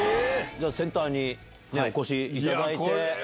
センターにお越しいただいて。